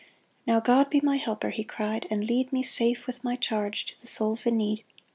*' Now God be my helper," he cried, " and lead Me safe with my charge to the souls in need !